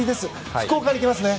福岡に来ますね。